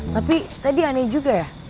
tapi tadi aneh juga ya